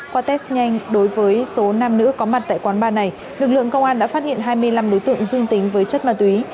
qua test nhanh đối với số nam nữ có mặt tại quán ba này lực lượng công an đã phát hiện hai mươi năm đối tượng dương tính với chất ma túy